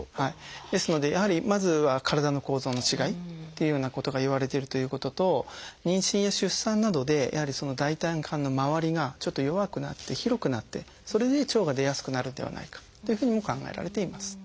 ですのでやはりまずは体の構造の違いっていうようなことがいわれてるということと妊娠や出産などでやはり大腿管のまわりがちょっと弱くなって広くなってそれで腸が出やすくなるんではないかというふうにも考えられています。